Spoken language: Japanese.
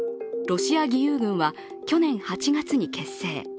ロシア義勇軍は去年８月に結成。